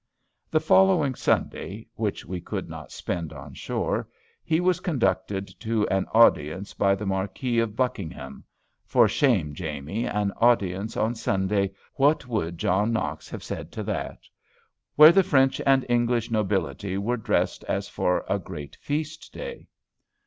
"The following Sunday" (which we could not spend on shore), "he was conducted to an audience by the Marquis of Buckingham," (for shame, Jamie! an audience on Sunday! what would John Knox have said to that!) "where the French and English nobility were dressed as for a great feast day.